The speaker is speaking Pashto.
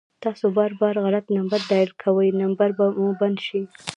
تاسو بار بار غلط نمبر ډائل کوئ ، نمبر به مو بند شي